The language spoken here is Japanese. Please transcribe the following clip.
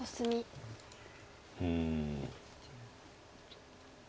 うん。